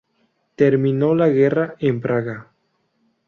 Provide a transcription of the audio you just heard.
Terminó la guerra en Praga.